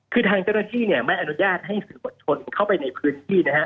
คือทางเจ้าหน้าที่ไม่อนุญาตให้สื่อมวลชนเข้าไปในพื้นที่นะฮะ